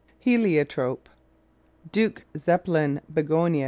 Heliotrope. Duke Zeppelin Begonia.